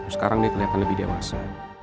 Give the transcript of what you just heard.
sekarang ini kelihatan lebih dewasa